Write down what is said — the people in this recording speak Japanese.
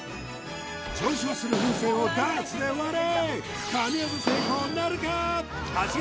上昇する風船をダーツで割れ！